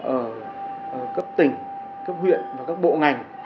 ở cấp tỉnh cấp huyện và các bộ ngành